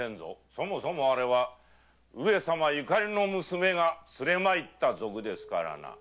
そもそもあれは上様縁の娘が連れ参った賊ですからな。